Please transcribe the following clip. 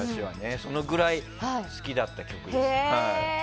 そのくらい好きだった曲ですね。